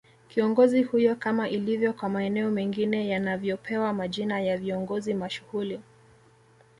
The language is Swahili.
Kiongozi huyo kama ilivyo kwa maeneo mengine yanavyopewa majina ya viongozi mashuhuli